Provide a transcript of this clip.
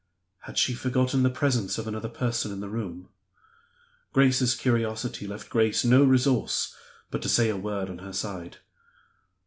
Had she forgotten the presence of another person in the room? Grace's curiosity left Grace no resource but to say a word on her side.